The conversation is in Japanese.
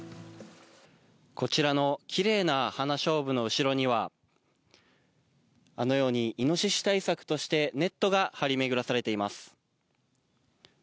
こちらのきれいな花しょうぶの後ろには、あのようにイノシシ対策として、ネットが張り巡らされています。